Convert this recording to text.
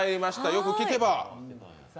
よく聴けば。